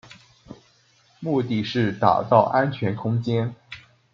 目的是打造安全空間